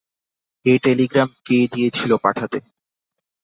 এ telegram কে দিয়েছিল পাঠাতে?